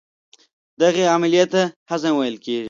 دغې عملیې ته هضم ویل کېږي.